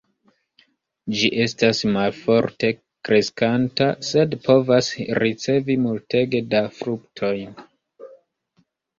Ĝi estas malforte kreskanta, sed povas ricevi multege da fruktojn.